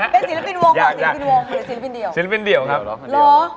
เป็นศิลปินวงหรือศิลปินเดี่ยวศิลปินเดี่ยวครับเหรอ